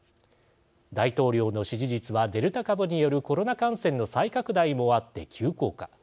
大統領の支持率はデルタ株によるコロナ感染の再拡大もあって急降下。